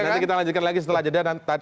nanti kita lanjutkan lagi setelah jeda